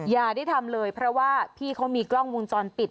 อย่าได้ทำเลยเพราะว่าพี่เขามีกล้องวงจรปิด